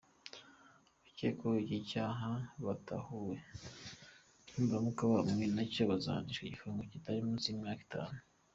Abakekwaho iki cyaha batahuwe nibaramuka bahamwe nacyo, bazahanishwa igifungo kitari munsi y’imyaka itanu.